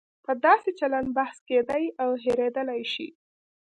په داسې چلن بحث کېدای او هېریدای شي.